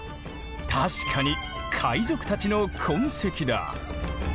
確かに海賊たちの痕跡だ。